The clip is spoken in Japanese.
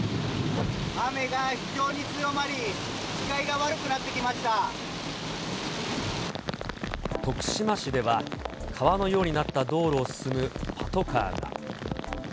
雨が非常に強まり、徳島市では、川のようになった道路を進むパトカーが。